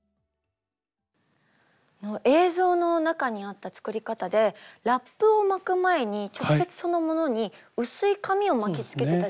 映像の中にあった作り方でラップを巻く前に直接そのものに薄い紙を巻きつけてたじゃないですか。